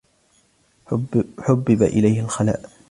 حُبِّبَ إِلَيْهِ الْخَلاَءُ.